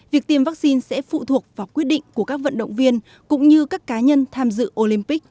việc tiêm vaccine sẽ phụ thuộc vào quyết định của các vận động viên cũng như các cá nhân tham dự olympic